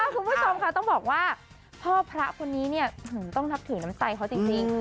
คุณผู้ชมค่ะต้องบอกว่าพ่อพระคนนี้เนี่ยต้องนับถือน้ำใจเขาจริง